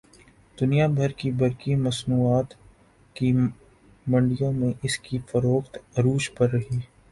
دنیا بھر کی برقی مصنوعات کی منڈیوں میں اس کی فروخت عروج پر رہی